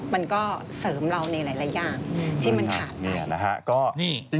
มันก็เสริมเราในหลายอย่างที่มันขาดไป